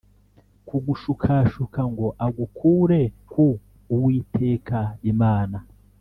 Kugushukashuka ngo agukure ku uwiteka imana